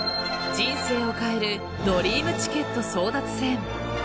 人生を変えるドリームチケット争奪戦。